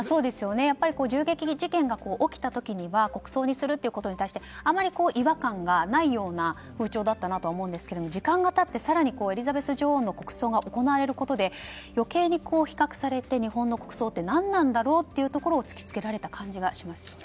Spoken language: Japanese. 銃撃事件が起きた時には国葬にすることに対してあまり違和感がないような風潮だったなと思うんですが時間が経って更に、エリザベス女王の国葬が行われることで余計に比較されて日本の国葬って何なんだろうというのを突きつけられた感じがしますよね。